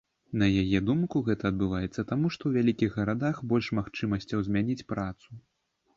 На яе думку, гэта адбываецца таму, што ў вялікіх гарадах больш магчымасцяў змяніць працу.